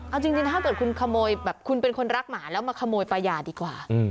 เอาจริงถ้าเกิดคุณขโมยแบบคุณเป็นคนรักหมาแล้วมาขโมยปลายาดีกว่า